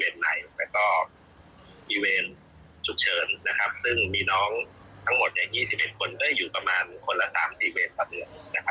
ในประเด็นเรื่องเวรก็อาจจะต้องอยู่กับการเรียนรู้